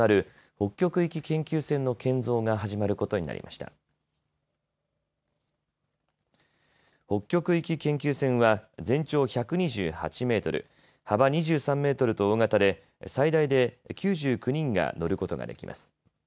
北極域研究船は全長１２８メートル、幅２３メートルと大型で最大で９９人が乗ることができます。